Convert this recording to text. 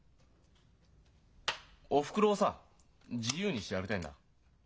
おふくろをさ自由にしてやりたいんだ。